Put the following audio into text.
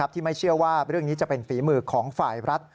ที่ไม่เชื่อว่าเรื่องนี้จะเป็นฝีมือของฝ่ายรัฐ